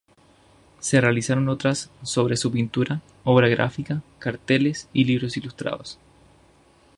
Se realizaron otras sobre su pintura, obra gráfica, carteles y libros ilustrados.